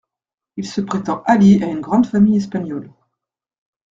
Il se prétend allié à une grande famille espagnole.